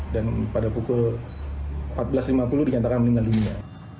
dan pada pukul empat belas lima puluh dinyatakan meninggal dunia